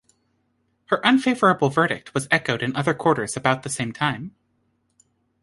Her unfavourable verdict was echoed in other quarters about the same time.